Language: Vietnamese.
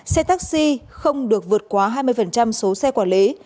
xe taxi không được vượt quá hai mươi số xe quản lý